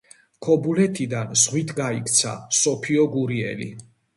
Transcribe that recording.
ქობულეთიდან ზღვით გაიქცა სოფიო გურიელი.